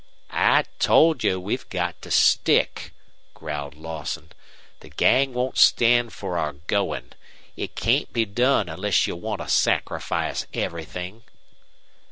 "I told you we've got to stick," growled Lawson. "The gang won't stand for our going. It can't be done unless you want to sacrifice everything."